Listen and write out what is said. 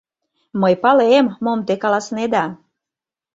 — Мый палем, мом те каласынеда.